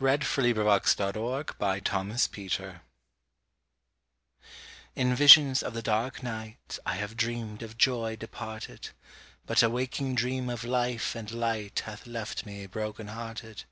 [Illustration: To the river] A DREAM In visions of the dark night I have dreamed of joy departed But a waking dream of life and light Hath left me broken hearted.